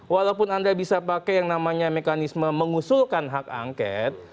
walaupun anda bisa pakai yang namanya mekanisme mengusulkan hak angket